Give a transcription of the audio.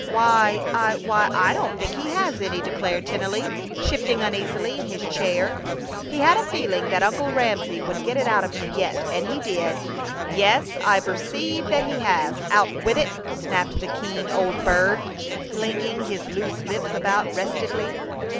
"Why I Why, I don't think he has any," declared Tennelly, shifting uneasily in his chair. He had a feeling that Uncle Ramsey would get it out of him yet. And he did. "Yes, I perceive that he has! Out with it!" snapped the keen old bird, flinging his loose lips about restively.